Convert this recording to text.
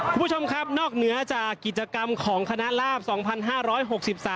คุณผู้ชมครับนอกเหนือจากกิจกรรมของคณะลาบ๒๕๖๓